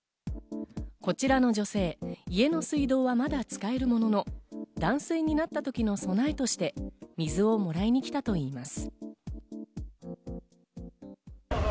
こちらの女性、家の水道はまだ使えるものの断水になった時の備えとして、水をもらいに来たといいます。